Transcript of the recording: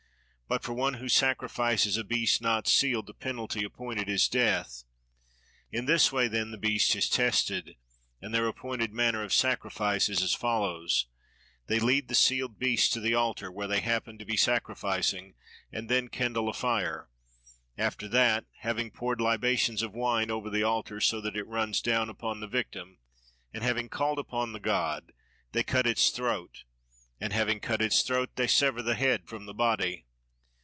But for one who sacrifices a beast not sealed the penalty appointed is death. In this way then the beast is tested; and their appointed manner of sacrifice is as follows: they lead the sealed beast to the altar where they happen to be sacrificing, and then kindle a fire: after that, having poured libations of wine over the altar so that it runs down upon the victim and having called upon the god, they cut its throat, and having cut its throat they sever the head from the body.